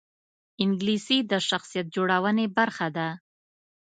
انګلیسي د شخصیت جوړونې برخه ده